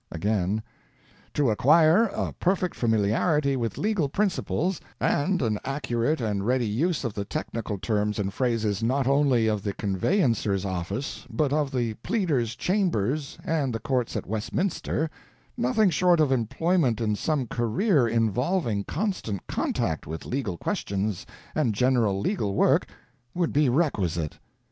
Again: "To acquire a perfect familiarity with legal principles, and an accurate and ready use of the technical terms and phrases not only of the conveyancer's office, but of the pleader's chambers and the Courts at Westminster, nothing short of employment in some career involving constant contact with legal questions and general legal work would be requisite.